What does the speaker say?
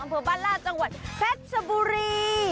อำเภอบ้านลาดจังหวัดเพชรชบุรี